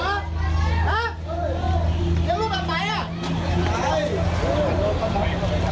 ทางแฟนสาวก็พาคุณแม่ลงจากสอพอ